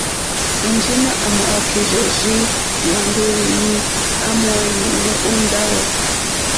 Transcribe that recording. Enjema à mà okirzɛ rzii nyàŋgo wèni à mò ɛ̀ndɛ̀nɛ̀ o ndawò.